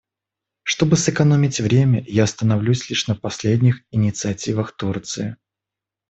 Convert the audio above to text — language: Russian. Чтобы сэкономить время, я остановлюсь лишь на последних инициативах Турции.